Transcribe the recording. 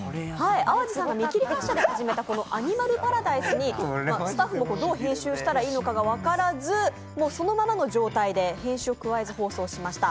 淡路さんの見切り発車で始めたこのアニマルパラダイスでスタッフもどう編集したらいいのかが分からず、そのままの状態で編集を加えず放送しました。